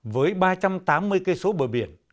với ba trăm tám mươi km bờ biển